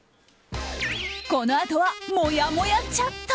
このあとはもやもやチャット。